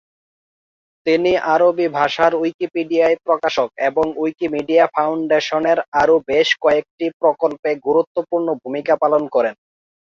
তিনি আরবি ভাষার উইকিপিডিয়ায় প্রশাসক এবং উইকিমিডিয়া ফাউন্ডেশনের আরও বেশ কয়েকটি প্রকল্পে গুরুত্বপূর্ণ ভূমিকা পালন করেন।